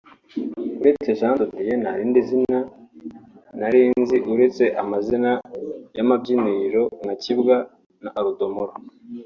uretse Jean de Dieu nta rindi zina nari nzi uretse amazina y’amabyiniriro nka kibwa na Aldo Moro